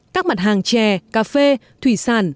các mặt hàng chè cà phê thủy sản